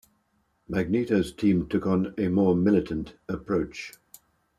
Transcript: Magneto's team took on a more militant approach.